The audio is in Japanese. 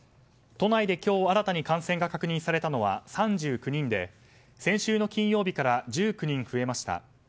都内で今日新たに感染が確認されたのは３９人で先週の金曜日から１９人増えました。